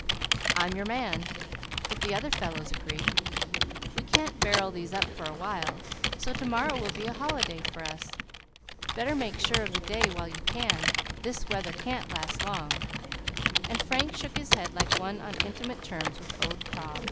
"I'm your man, if the other fellows agree. We can't barrel these up for a while, so to morrow will be a holiday for us. Better make sure of the day while you can, this weather can't last long;" and Frank shook his head like one on intimate terms with Old Prob.